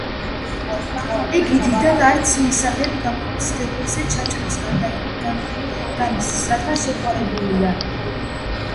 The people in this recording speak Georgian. იგი დიდად არც მისაღებ გამოცდებზე ჩაჭრას განიცდის, რადგან შეყვარებულია.